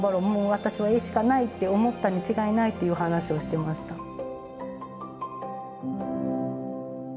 もう私は絵しかないって思ったに違いないっていう話をしてました。